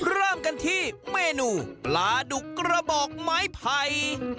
เริ่มกันที่เมนูปลาดุกกระบอกไม้ไผ่